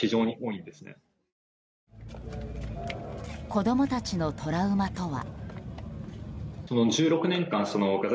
子供たちのトラウマとは。